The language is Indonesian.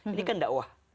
ini kan dakwah